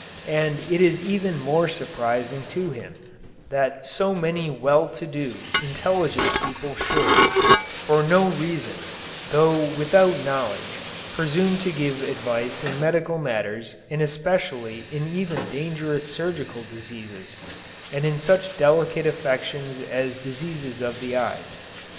And it is even more surprising to him that so many well to do, intelligent people should, for no reason, though without knowledge, presume to give advice in medical matters and especially in even dangerous surgical diseases, and in such delicate affections as diseases of the eyes.